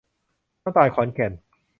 น้ำตาลขอนแก่น